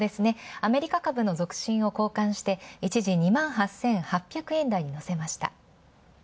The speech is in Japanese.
アメリカ株の続伸を好感して一時、２万８８００円台をのせました。